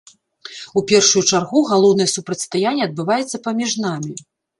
У першую чаргу галоўнае супрацьстаянне адбываецца паміж намі.